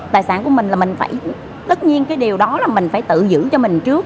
tài sản của mình là mình tất nhiên cái điều đó là mình phải tự giữ cho mình trước